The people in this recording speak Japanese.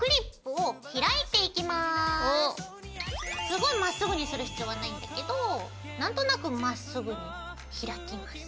すごいまっすぐにする必要はないんだけど何となくまっすぐにひらきます。